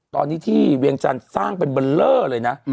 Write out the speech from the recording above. ตอนนี้ที่เวียงจันทร์สร้างเป็นเบอร์เลอร์เลยนะ